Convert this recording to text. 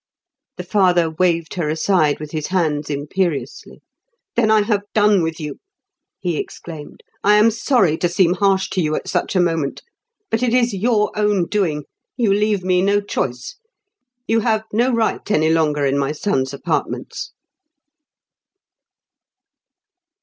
The father waved her aside with his hands imperiously. "Then I have done with you," he exclaimed. "I am sorry to seem harsh to you at such a moment. But it is your own doing. You leave me no choice. You have no right any longer in my son's apartments."